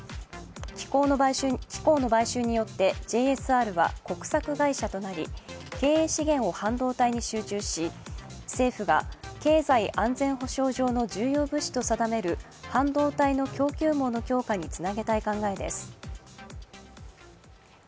機構の買収によってＪＳＲは国策会社となり、経営資源を半導体に集中し、政府が経済安全保障上の重要物資と定める半導体の供給網の強化につなげたい考です。